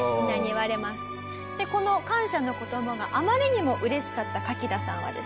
でこの感謝の言葉があまりにも嬉しかったカキダさんはですね。